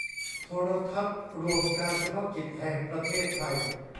โทรทัศน์รวมการเฉพาะกิจแห่งประเทศไทย